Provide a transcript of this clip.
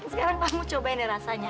sekarang kamu cobain nih rasanya